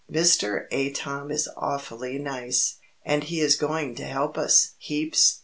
Mr. Atom is awfully nice. And he is going to help us heaps.